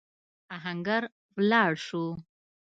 آهنګر ولاړ شو.